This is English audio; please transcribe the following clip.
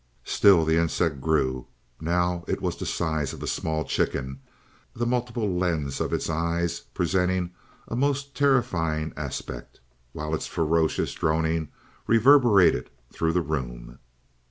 Still the insect grew; now it was the size of a small chicken, the multiple lens of its eyes presenting a most terrifying aspect, while its ferocious droning reverberated through the room.